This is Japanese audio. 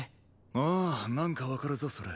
ああなんかわかるぞそれ。